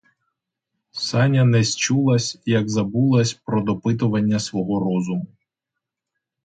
Саня незчулась, як забулась про допитування свого розуму.